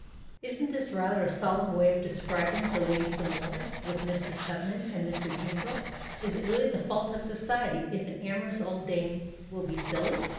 Isn't this rather a solemn way of describing the lady's amours with Mr, Tupman and Mr. Jingle ? Is it really the fault of society if an amorous old dame will be silly